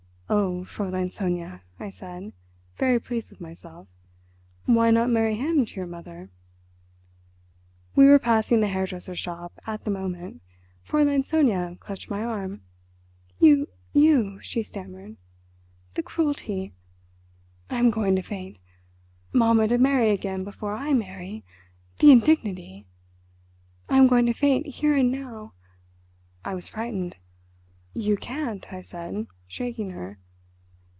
"Oh, Fräulein Sonia," I said, very pleased with myself, "why not marry him to your mother?" We were passing the hairdresser's shop at the moment. Fräulein Sonia clutched my arm. "You, you," she stammered. "The cruelty. I am going to faint. Mamma to marry again before I marry—the indignity. I am going to faint here and now." I was frightened. "You can't," I said, shaking her.